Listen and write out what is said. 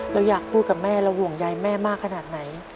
เราอยากพูดกับแม่เราห่วงใยแม่มากขนาดไหน